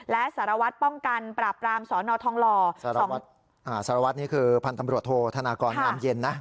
และสารวัตรป้องกันปราบปรามสนทองหล่อสารวัตรนี่คือพันธ์ตำรวจโทษธนากรงามเย็นนะ